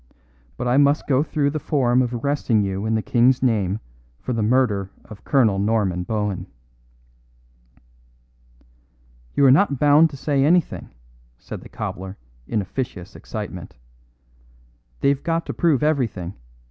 But I must go through the form of arresting you in the King's name for the murder of Colonel Norman Bohun." "You are not bound to say anything," said the cobbler in officious excitement. "They've got to prove everything.